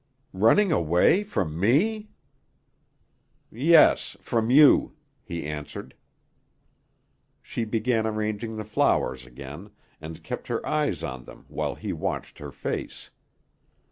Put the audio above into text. "Running away from me?" "Yes, from you," he answered. She began arranging the flowers again, and kept her eyes on them while he watched her face.